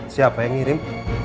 siapa yang kirim